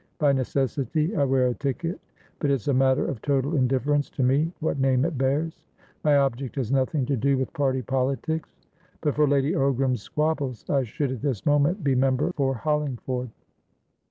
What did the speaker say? By necessity, I wear a ticket, but it's a matter of total indifference to me what name it bears. My object has nothing to do with party politics. But for Lady Ogram's squabbles, I should at this moment be Member for Hollingford."